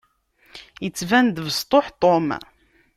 Yettban-d besṭuḥ Tom.